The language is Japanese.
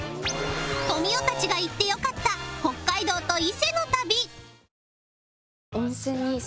とみおたちが行って良かった北海道と伊勢の旅